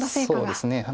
そうですね。